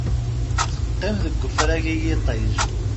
Teqqim deg ufrag i yiṭij.